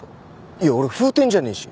いや俺フーテンじゃねえし。